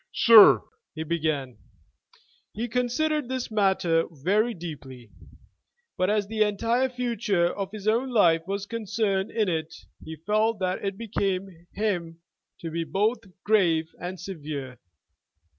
"SIR," he began. He considered this matter very deeply; but as the entire future of his own life was concerned in it he felt that it became him to be both grave and severe.